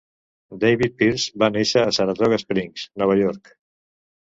David Pierce va néixer a Saratoga Springs, Nova York.